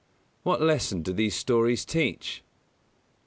_What lesson do these stories teach?